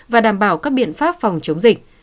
và đảm bảo các biện pháp phòng chống dịch